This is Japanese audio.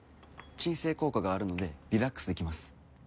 鎮静効果があるのでリラックスできます